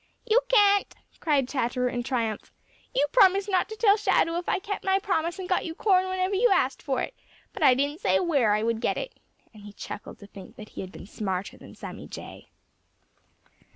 "You can't!" cried Chatterer in triumph. "You promised not to tell Shadow if I kept my promise and got you corn whenever you asked for it; but I didn't say where I would get it," and he chuckled to think that he had been smarter than Sammy Jay.